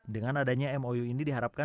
dengan adanya mou ini diharapkan